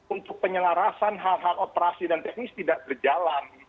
untuk penyelarasan hal hal operasi dan teknis tidak berjalan